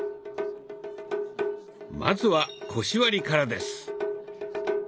まずは腰割りからです。